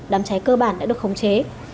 đám cháy cơ bản đã được khống chế